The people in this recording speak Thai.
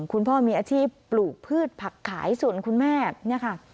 คุณพ่อมีอาชีพปลูกพืชผักขายส่วนคุณแม่เนี่ยค่ะ